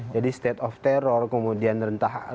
jadi state of terror kemudian rendah rendah